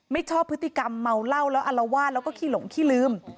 ชอบพฤติกรรมเมาเหล้าแล้วอลวาดแล้วก็ขี้หลงขี้ลืม